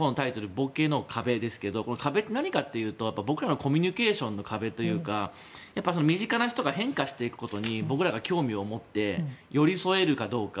「ぼけの壁」ですが壁って何かと言いますと僕らのコミュニケーションの壁と言いますか身近な人が変化していくことに僕らが興味を持って寄り添えるかどうか。